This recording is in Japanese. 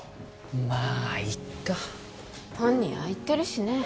まあいっか本人ああ言ってるしね